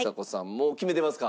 もう決めてますか？